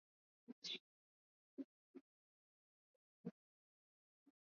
Walipishana na wanajamhuri ambao kwa ujumla walimshinikiza Jackson, alifikia utaratibu wa kuulizwa maswali